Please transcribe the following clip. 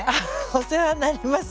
お世話になります。